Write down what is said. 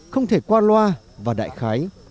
không thể qua loa và đại khái